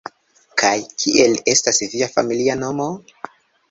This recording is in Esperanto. Kaj kiel estas via familia nomo?